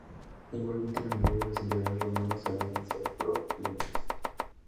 Igualmente la mayoría de los emperadores romanos solían ser pro-griegos.